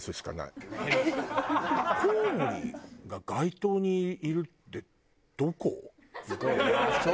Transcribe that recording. コウモリが街灯にいるってどこ？